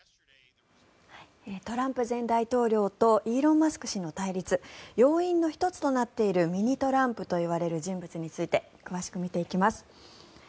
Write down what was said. トランプ前大統領とイーロン・マスク氏の対立要因の１つとなっているミニ・トランプといわれる人物について詳しく見ていきます。